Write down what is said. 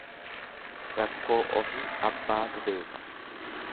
Rakkoo ofii abbaatu beeka.